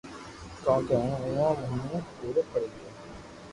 ڪونڪھ ھون اووہ ھومو ڪوڙو پڙي گيو